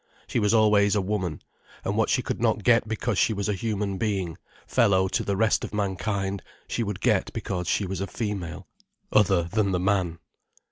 She was always a woman, and what she could not get because she was a human being, fellow to the rest of mankind, she would get because she was a female, other than the man.